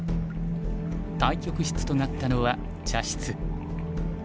対局室となったのは茶室。